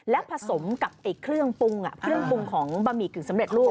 แล้วผสมกับเครื่องปรุงของบะหมี่กึ่งสำเร็จลูก